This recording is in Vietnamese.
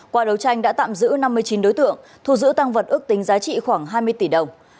qua đấu tranh đã tạm giữ năm mươi chín đối tượng thu giữ tăng vật ước tính giá trị khoảng hai mươi tỷ đồng